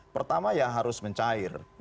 pertama ya harus mencair